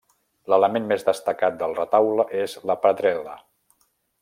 L'element més destacat del retaule és la predel·la.